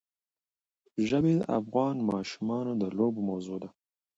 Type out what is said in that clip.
ژبې د افغان ماشومانو د لوبو موضوع ده.